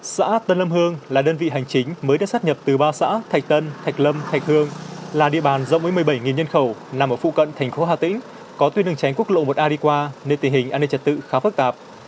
xã tân lâm hương là đơn vị hành chính mới được sắp nhập từ ba xã thạch tân thạch lâm thạch hương là địa bàn rộng với một mươi bảy nhân khẩu nằm ở phụ cận thành phố hà tĩnh có tuyến đường tránh quốc lộ một a đi qua nên tình hình an ninh trật tự khá phức tạp